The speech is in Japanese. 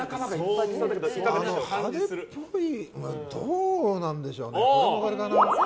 どうなんでしょうね。